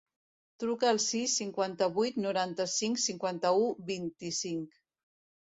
Truca al sis, cinquanta-vuit, noranta-cinc, cinquanta-u, vint-i-cinc.